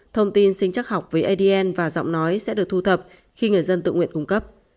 thông tin sinh chắc học với adn và giọng nói sẽ được thu thập khi người dân tự nguyện cung cấp